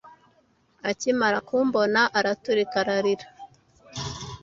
Akimara kumbona, araturika ararira.